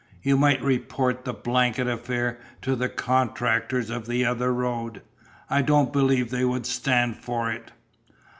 You might report the blanket affair to the contractors of the other road. I don't believe they would stand for it."